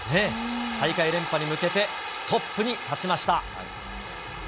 大会連覇に向けて、トップに立ちました。